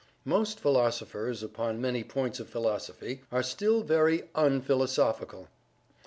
Most philosophers, upon many points of philosophy, are still very unphilosophical.